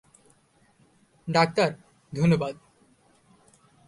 Doctor, ধন্যবাদ।